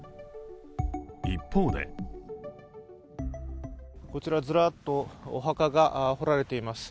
一方でこちら、ずらっとお墓が掘られています。